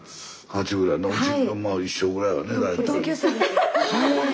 まあ一緒ぐらいやね大体。